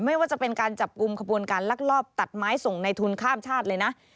ไม่ว่าจะเป็นการจับกลุ่มขบวนการลักลอบตัดไม้ส่งในทุนข้ามชาติเลยนะ